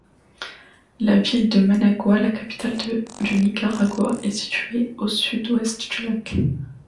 La ville de Managua, la capitale du Nicaragua, est située au sud-ouest du lac.